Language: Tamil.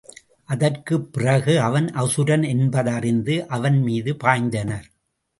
அதற்குப்பிறகு அவன் அசுரன் என்பது அறிந்து அவன்மீது பாய்ந்தனர்.